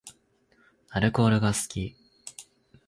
アルコールが好き